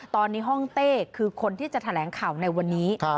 ตอนนี้ห้องเต้คือคนที่จะแถลงข่าวในวันนี้